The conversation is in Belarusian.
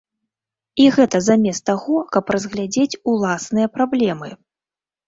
І гэта замест таго, каб разглядзець ўласныя праблемы.